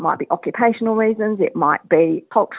mungkin alasan yang berpengaruh